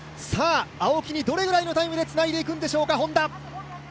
青木にどれぐらいのタイムでつないでいくんでしょうか、Ｈｏｎｄａ。